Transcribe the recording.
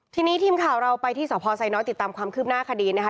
ทีนี้ทีมข่าวเราไปที่สพไซน้อยติดตามความคืบหน้าคดีนะคะ